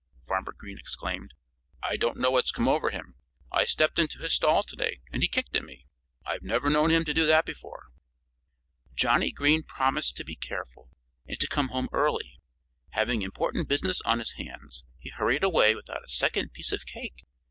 Farmer Green exclaimed. "I don't know what's come over him. I stepped into his stall to day and he kicked at me. I've never known him to do that before." Johnnie Green promised to be careful, and to come home early. Having important business on his hands, he hurried away without a second piece of cake.